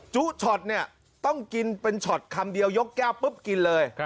ช็อตเนี่ยต้องกินเป็นช็อตคำเดียวยกแก้วปุ๊บกินเลย